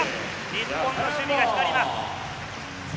日本の守備が光ります。